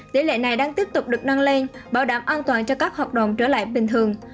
tỷ lệ này đang tiếp tục được nâng lên bảo đảm an toàn cho các hoạt động trở lại bình thường